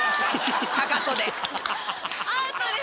かかとで。